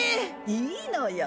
いいのよ。